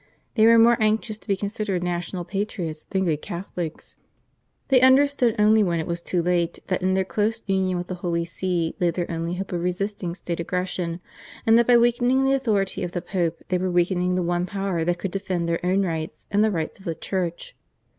They were more anxious to be considered national patriots than good Catholics. They understood only when it was too late that in their close union with the Holy See lay their only hope of resisting state aggression, and that by weakening the authority of the Pope they were weakening the one power that could defend their own rights and the rights of the Church.